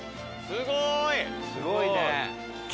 すごいね。